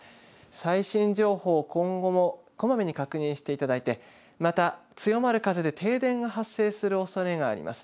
最新情報、今後もこまめに確認していただいてまた、強まる風で停電が発生するおそれがあります。